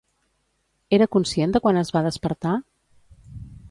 Era conscient de quan es va despertar?